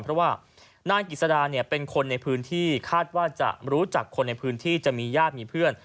เพราะว่านายกิจสดาเป็นคนในพื้นที่คาดว่าจะรู้จักคนในพื้นที่จะมีญาติมีเพื่อน